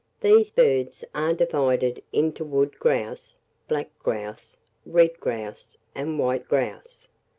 These birds are divided into wood grouse, black grouse, red grouse, and white grouse.